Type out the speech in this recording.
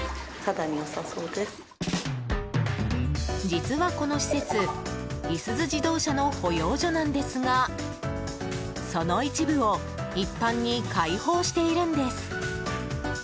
実はこの施設いすゞ自動車の保養所なんですがその一部を一般に開放しているんです。